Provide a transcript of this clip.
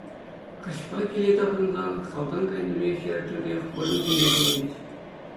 Каҫпа киле таврӑнсан халтан кайнипе хӗр тӳрех вырӑн ҫине тӳнет.